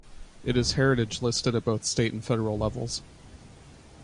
It is heritage-listed at both state and federal levels.